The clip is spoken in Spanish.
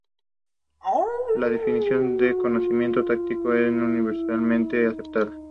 Clipperton es en realidad parte de una larga cadena de montañas y volcanes submarinos.